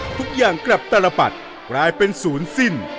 ทุกอย่างกลับตลปัดกลายเป็นศูนย์สิ้น